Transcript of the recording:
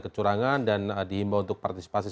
kecurangan dan dihimbau untuk partisipasi